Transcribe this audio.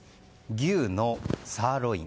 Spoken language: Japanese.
牛のサーロイン。